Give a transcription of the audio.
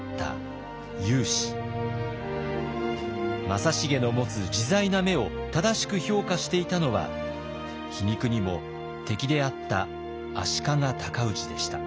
正成の持つ自在な目を正しく評価していたのは皮肉にも敵であった足利尊氏でした。